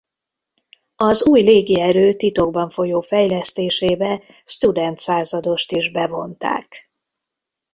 Az új légierő titokban folyó fejlesztésébe Student századost is bevonták.